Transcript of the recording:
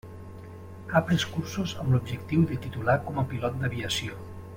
Ha pres cursos amb l'objectiu de titular com a pilot d'aviació.